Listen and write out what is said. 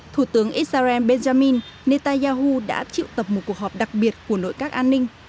thủ tướng israel benjamin netanyahu đã triệu tập một cuộc họp đặc biệt của nội các an ninh